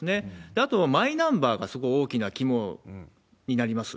あと、マイナンバーがすごい大きな肝になります。